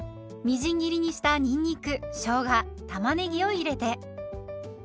みじん切りにしたにんにくしょうがたまねぎを入れて。